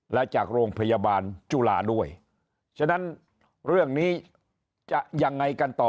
และจากโรงพยาบาลจุฬาด้วยฉะนั้นเรื่องนี้จะยังไงกันต่อ